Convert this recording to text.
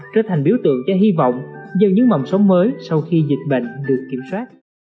trở thành biểu tượng cho hy vọng do những mầm sống mới sau khi dịch bệnh được kiểm soát